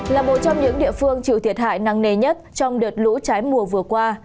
là một trong những địa phương chịu thiệt hại năng nề nhất trong đợt lũ trái mùa vừa qua